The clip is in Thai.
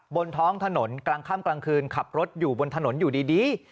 บนท้องถนนกลางค่ำกลางคืนขับรถอยู่บนถนนอยู่ดี